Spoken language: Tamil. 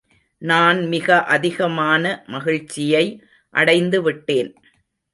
நான் மிக அதிகமான மகிழ்ச்சியை அடைந்துவிட்டேன்!